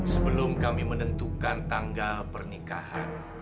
sebelum kami menentukan tanggal pernikahan